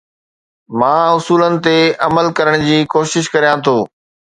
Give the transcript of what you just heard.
مان اصولن تي عمل ڪرڻ جي ڪوشش ڪريان ٿو